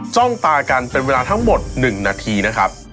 จ้องตากันเป็นเวลาทั้งหมด๑นาทีนะครับ